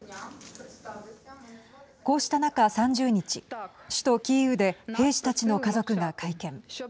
こうした中、３０日首都キーウで兵士たちの家族が会見。